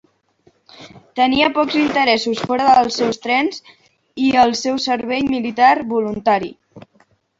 Tenia pocs interessos fora dels seus trens i el seu servei militar voluntari.